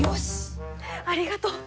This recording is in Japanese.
ありがとう！